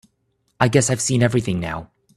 I guess I've seen everything now.